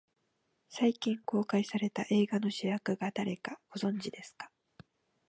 最近公開された映画の主役が誰か、ご存じですか。